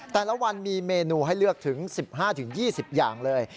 แต่ละวันมีเมนูให้เลือกถึง๑๕๒๐อย่างเลย